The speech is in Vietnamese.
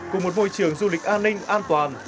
cùng một môi trường du lịch an ninh an toàn